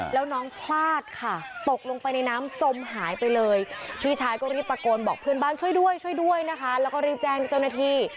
แล้วน้องพลาดค่ะตกลงไปในน้ำจมหายไปเลยพี่ชายก็รีบตะโกนบอกเพื่อนบ้านช่วยด้วยช่วยด้วยนะคะแล้วก็รีบแจ้งเจ้าหน้าที่